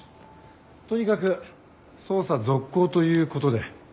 とにかく捜査続行ということで。